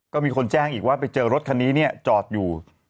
ก็มีคนแจ้งอีกว่าไปเจอรถคันนี้เนี่ยจอดอยู่